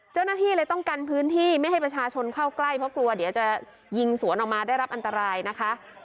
เจ้าหน้าที่เลยต้องกันพื้นที่ไม่ให้ประชาชนเข้าใกล้เพราะกลัวเดี๋ยวจะยิงสวนออกมาได้รับอันตรายนะคะ